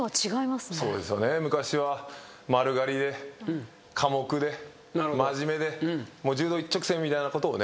昔は丸刈りで寡黙で真面目で『柔道一直線』みたいなことをね